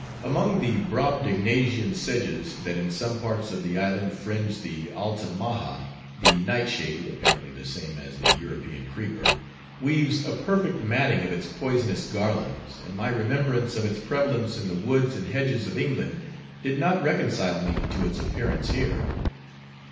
Among the Brobdignagian sedges that in some parts of the island fringe the Altamaha, the nightshade (apparently the same as the European creeper) weaves a perfect matting of its poisonous garlands, and my remembrance of its prevalence in the woods and hedges of England did not reconcile me to its appearance here.